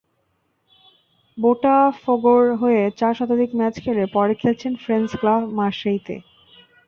বোটাফোগোর হয়ে চার শতাধিক ম্যাচ খেলে পরে খেলেছেন ফ্রেঞ্চ ক্লাব মার্শেইতে।